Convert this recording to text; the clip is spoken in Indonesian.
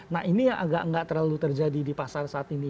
nah ini yang agak nggak terlalu terjadi di pasar saat ini